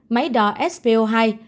hai máy đỏ svo hai